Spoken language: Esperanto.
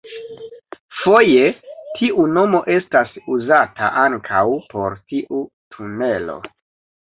Foje tiu nomo estas uzata ankaŭ por tiu tunelo.